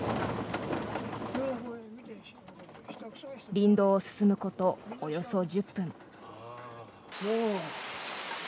林道を進むことおよそ１０分。